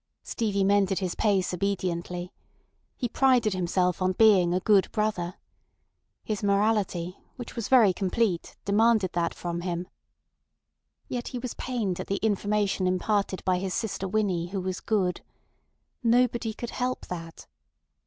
Stevie mended his pace obediently. He prided himself on being a good brother. His morality, which was very complete, demanded that from him. Yet he was pained at the information imparted by his sister Winnie who was good. Nobody could help that!